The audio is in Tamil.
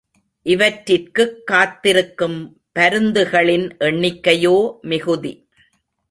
இவற்றிற்குக் காத்திருக்கும் பருந்துகளின் எண்ணிக்கையோ மிகுதி.